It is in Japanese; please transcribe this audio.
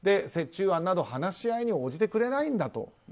折衷案など話し合いに応じてくれないんだと。